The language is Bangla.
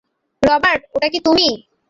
রবার্ট, ওটা কি তুমি?